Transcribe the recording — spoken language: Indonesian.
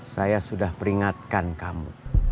saya sudah peringatkan kamu